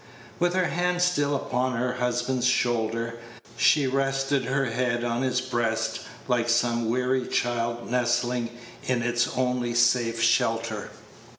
With her hand still upon her husband's shoulder, she rested her head on his breast like some weary child nestling in its only safe shelter.